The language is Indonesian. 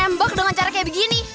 nembak dengan cara kayak gini